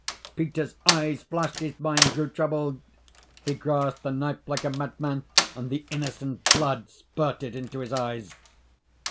Peter's eyes flashed, his mind grew troubled.... He grasped the knife like a madman, and the innocent blood spurted into his eyes.